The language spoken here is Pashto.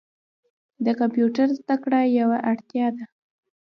د کمپیوټر زده کړه یوه اړتیا ده.